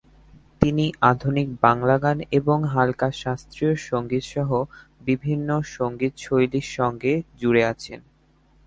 তিনি আধুনিক বাংলা গান এবং হালকা শাস্ত্রীয় সঙ্গীত সহ বিভিন্ন সংগীত শৈলী সাথে জুড়ে আছেন।